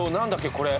これ。